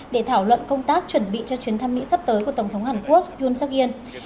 để thảo luận công tác chuẩn bị cho chuyến thăm mỹ sắp tới của tổng thống hàn quốc yum seok in